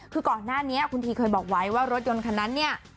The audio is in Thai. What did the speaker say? คือก่อนหน้านี้คุณทีเคยบอกไว้ว่ารถยนต์คันนั้นเนี่ย